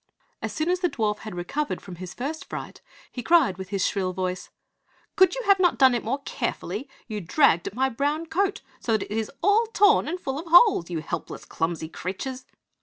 As soon as the dwarf had recovered from his first fright he cried with his shrill voice, "Could you not have done it more carefully! You dragged at my brown coat so that it is all torn and full of holes, you helpless clumsy creatures!"